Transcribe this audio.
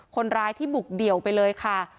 คนร้ายที่บุกเดี่ยวไปเลยค่ะ